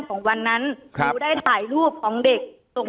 แต่คุณยายจะขอย้ายโรงเรียน